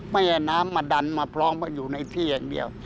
ไม่ให้น้ำมาดันมาพร้อมอยู่ในที่อย่างเดียว